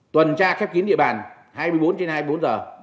tuần tra khép kín địa bàn hai mươi bốn trên hai mươi bốn giờ